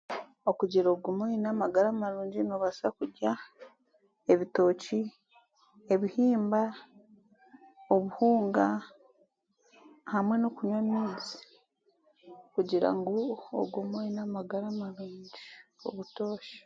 Okugiira ogume oyiine amagara marungi n'obaasa kurya ebitooki, ebihimba, obuhunga hamwe n'okunywa amaizi kugira ngu ogume oyine amagara marungi obutoosha.